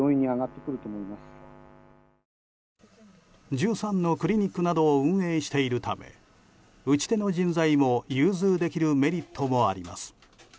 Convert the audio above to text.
１３のクリニックなどを運営しているため打ち手の人材も融通できるメリットもあります。